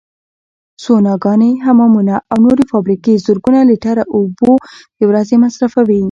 سوناګانې، حمامونه او نورې فابریکې زرګونه لیتره اوبو د ورځې مصرفوي.